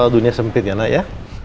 dunia sempit ya nak ya